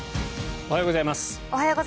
おはようございます。